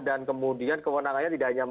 dan kemudian kewenangannya tidak hanya